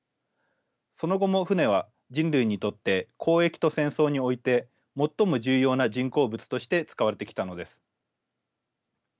その後も船は人類にとって交易と戦争において最も重要な人工物として使われてきたのです。